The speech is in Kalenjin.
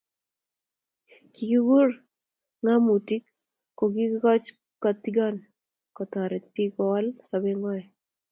Kikur ngamotik kokoch kotigonet kotoret bik Kowal sobengwai